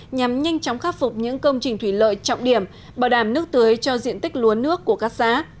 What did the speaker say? nhằm nhanh chóng khắc phục những công trình thủy lợi trọng điểm bảo đảm nước tưới cho diện tích lúa nước của các xã